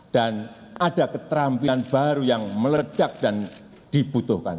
dan ada keterampilan baru yang meledak dan dibutuhkan